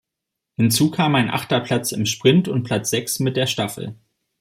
Hinzu kam ein achter Platz im Sprint und Platz Sechs mit der Staffel.